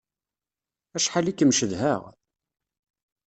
Acḥal i kem-cedhaɣ!